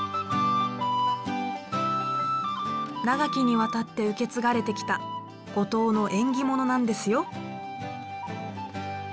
長きにわたって受け継がれてきた五島の縁起物なんですよ。